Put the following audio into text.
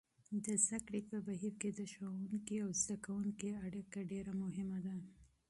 د زده کړې په بهیر کې د ښوونکي او شاګرد اړیکه ډېره مهمه ده.